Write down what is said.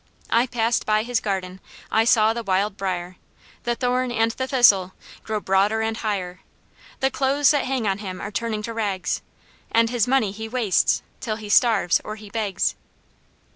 I passed by his garden, I saw the wild brier, The thorn, and the thistle, grow broader and higher; The clothes that hang on him are turning to rags; And his money he wastes, till he starves or he begs."